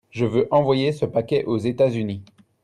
Je veux envoyer ce paquet aux États-Unis.